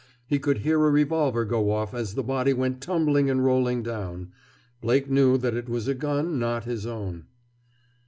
He could hear a revolver go off as the body went tumbling and rolling down—Blake knew that it was a gun not his own.